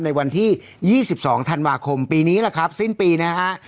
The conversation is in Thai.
ในวันที่๒๒ธันวาคมปีนี้แหละครับสิ้นปีนะฮะ